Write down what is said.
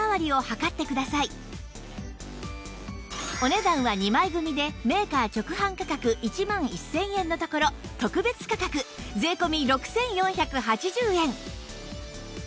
お値段は２枚組でメーカー直販価格１万１０００円のところ特別価格税込６４８０円